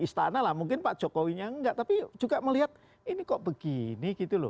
istana lah mungkin pak jokowinya enggak tapi juga melihat ini kok begini gitu loh